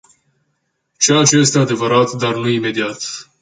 Ceea ce este adevărat, dar nu imediat.